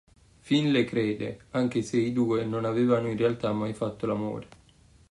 Finn le crede, anche se i due non avevano in realtà mai fatto l'amore.